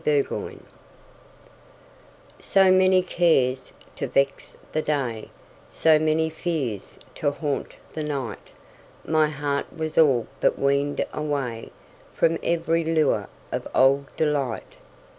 Summer Magic SO many cares to vex the day, So many fears to haunt the night, My heart was all but weaned awayFrom every lure of old delight.